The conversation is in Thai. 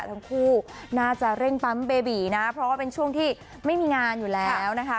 ทั้งคู่น่าจะเร่งปั๊มเบบีนะเพราะว่าเป็นช่วงที่ไม่มีงานอยู่แล้วนะคะ